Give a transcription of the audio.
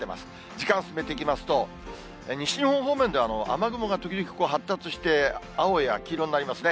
時間進めていきますと、西日本方面では、雨雲が時々、発達して、青や黄色になりますね。